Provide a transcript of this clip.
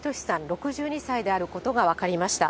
６２歳であることが分かりました。